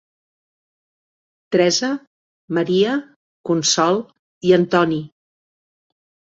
Teresa, Maria, Consol i Antoni.